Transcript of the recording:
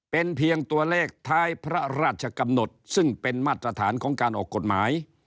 เป็นเพียงตัวเลขท้ายพระราชกำหนดซึ่งเป็นมาตรฐานของการออกกฎหมาย